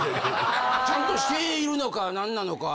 ちゃんとしているのか何なのか。